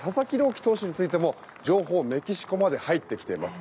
希投手についても情報、メキシコまで入ってきています。